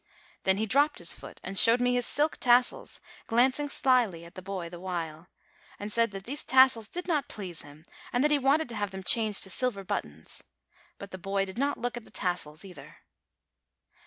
Then he dropped his foot, and showed me his silk tassels, glancing slyly at the boy the while, and said that these tassels did not please him, and that he wanted to have them changed to silver buttons ; but the boy did not look at the tassels either.